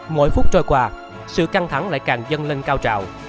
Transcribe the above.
mỗi phút trôi qua sự căng thẳng lại càng dâng lên cao trào